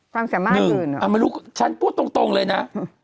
ความสามารถอื่นหรอนึงเอามาลุกฉันพูดตรงเลยนะ